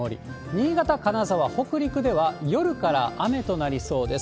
新潟、金沢、北陸では夜から雨となりそうです。